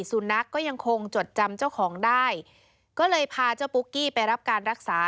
สุนัขก็ยังคงจดจำเจ้าของได้ก็เลยพาเจ้าปุ๊กกี้ไปรับการรักษา